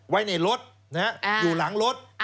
ไว้ในรถอยู่หลังรถ